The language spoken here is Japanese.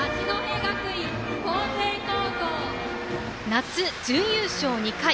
夏、準優勝２回。